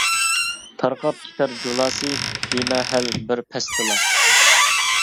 تارقاپ كېتەر جۇلاسى، بىمەھەل بىر پەستىلا.